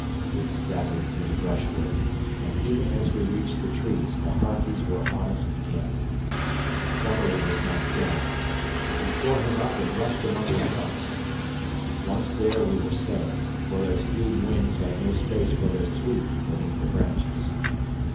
We staggered through the brushwood, and even as we reached the trees the harpies were on us again. Summerlee was knocked down, but we tore him up and rushed among the trunks. Once there we were safe, for those huge wings had no space for their sweep beneath the branches.